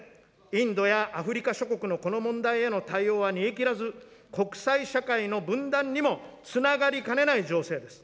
インドやアフリカ諸国の、この問題への対応は煮えきらず、国際社会の分断にもつながりかねない情勢です。